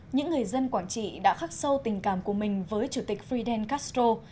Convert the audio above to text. những người dân quảng trị đã khắc sâu tình cảm của mình với chủ tịch fidel castro